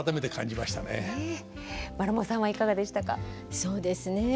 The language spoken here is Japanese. そうですね。